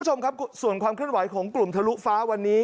คุณผู้ชมครับส่วนความเคลื่อนไหวของกลุ่มทะลุฟ้าวันนี้